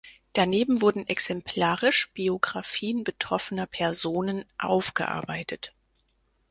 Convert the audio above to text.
Daneben wurden exemplarisch Biographien betroffener Personen aufgearbeitet.